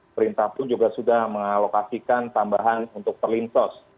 perintah pun juga sudah mengalokasikan tambahan untuk perlinsos